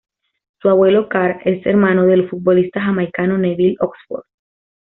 Su abuelo, Karl, es hermano del futbolista jamaicano Neville Oxford.